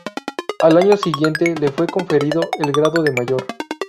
Al año siguiente le fue conferido el grado de mayor.